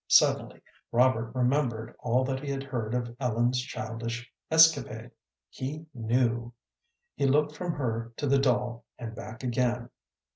Suddenly Robert remembered all that he had heard of Ellen's childish escapade. He knew. He looked from her to the doll, and back again.